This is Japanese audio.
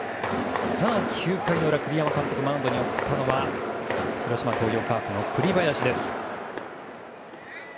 ９回の裏、栗山監督がマウンドに送ったのは広島東洋カープの栗林です。